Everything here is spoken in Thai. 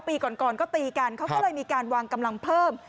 ปีก่อนก็ตีกันเขาก็เลยมีการวางกำลังเพิ่ม